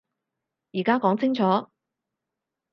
而家講清楚